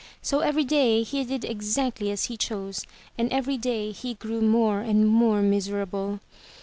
So every day he did exactly as he chose and every day he grew more and more miserable.